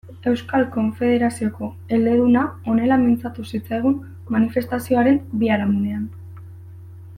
Euskal Konfederazioko eleduna honela mintzatu zitzaigun manifestazioaren biharamunean.